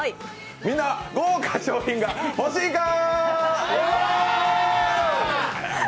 みんな、豪華賞品が欲しいか？